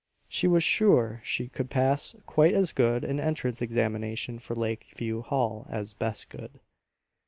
She was sure she could pass quite as good an entrance examination for Lakeview Hall as Bess could.